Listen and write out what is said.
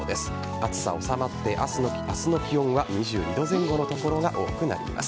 暑さは収まって明日の気温は２２度前後の所が多くなります。